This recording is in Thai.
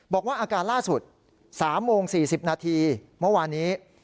บอกว่าอาการล่าสุด๓โมง๔๐นาทีเมื่อวานนี้